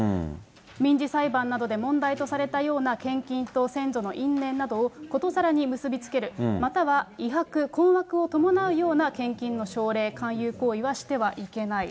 民事裁判などで問題とされたような献金と先祖の因縁などをことさらに結び付ける、または威迫、困惑を伴うような献金の奨励、勧誘行為はしてはいけない。